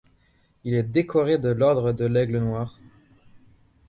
Il est décoré de l'Ordre de l'Aigle noir.